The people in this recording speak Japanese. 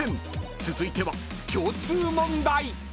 ［続いては共通問題］